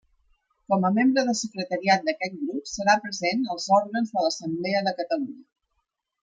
Com a membre de secretariat d'aquest grup serà present als òrgans de l'Assemblea de Catalunya.